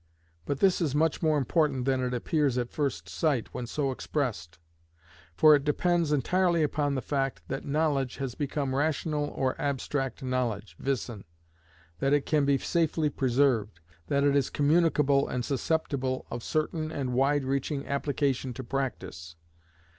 But this is much more important than it appears at first sight when so expressed. For it depends entirely upon the fact that knowledge has become rational or abstract knowledge (wissen), that it can be safely preserved, that it is communicable and susceptible of certain and wide reaching application to practice.